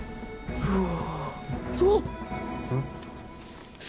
うわ。